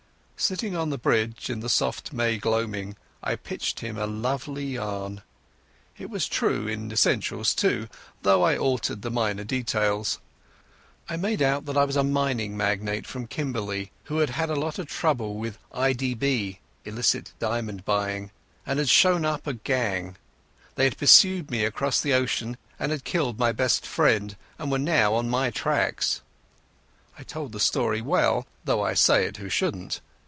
Sitting on the bridge in the soft May gloaming I pitched him a lovely yarn. It was true in essentials, too, though I altered the minor details. I made out that I was a mining magnate from Kimberley, who had had a lot of trouble with I.D.B. and had shown up a gang. They had pursued me across the ocean, and had killed my best friend, and were now on my tracks. I told the story well, though I say it who shouldn't.